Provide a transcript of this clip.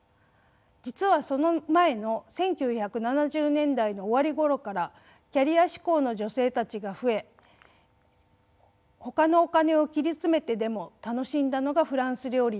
実はその前の１９７０年代の終わり頃からキャリア志向の女性たちが増えほかのお金を切り詰めてでも楽しんだのがフランス料理でした。